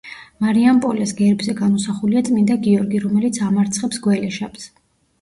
მარიამპოლეს გერბზე გამოსახულია წმინდა გიორგი, რომელიც ამარცხებს გველეშაპს.